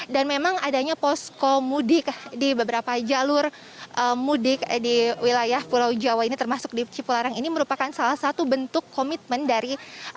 dan memang adanya poskomudik di beberapa jalur mudik di wilayah pulau jawa ini termasuk di cipularang ini merupakan salah satu bentuk komitmen dari